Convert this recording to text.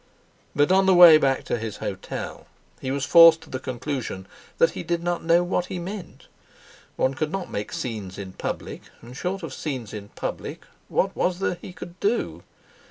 But on the way home to his hotel, he was forced to the conclusion that he did not know what he meant. One could not make scenes in public, and short of scenes in public what was there he could do?